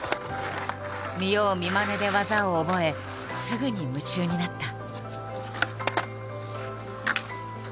見よう見まねで技を覚えすぐに夢中になった。